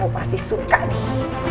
pasti suka deh